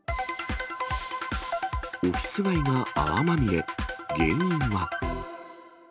オフィス街が泡まみれ、原因は？